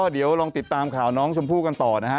เดี๋ยวลองติดตามข่าวน้องชมพู่กันต่อนะฮะ